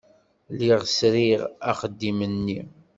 Lliɣ sriɣ axeddim-nni.